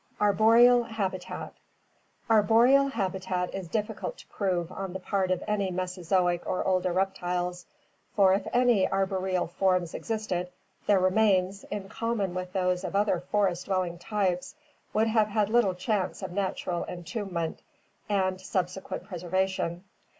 Arboreal Habitat. — Arboreal habitat is difficult to prove on the part of any Mesozoic or older reptiles, for if any arboreal forms existed, their remains, in common with those of other forest dwelling 500 ORGANIC EVOLUTION types, would have had little chance of natural entombment and sub sequent preservation.